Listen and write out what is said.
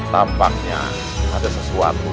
tampaknya ada sesuatu